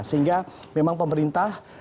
sehingga memang pemerintah